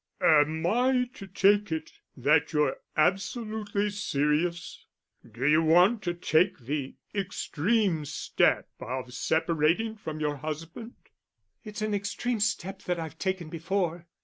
"Am I to take it that you're absolutely serious? Do you want to take the extreme step of separating from your husband?" "It's an extreme step that I've taken before.